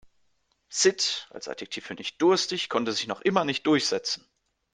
Sitt als Adjektiv für nicht-durstig konnte sich noch immer nicht durchsetzen.